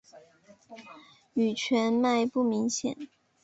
羽状脉不明显。